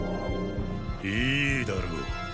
いいだろう。